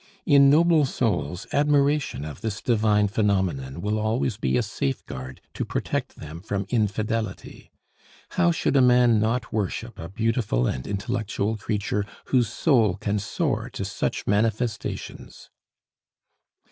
In noble souls, admiration of this divine phenomenon will always be a safeguard to protect them from infidelity. How should a man not worship a beautiful and intellectual creature whose soul can soar to such manifestations?